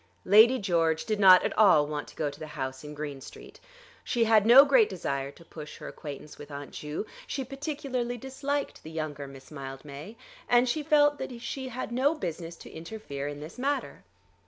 Lady George did not at all want to go to the house in Green Street. She had no great desire to push her acquaintance with Aunt Ju, she particularly disliked the younger Miss Mildmay, and she felt that she had no business to interfere in this matter.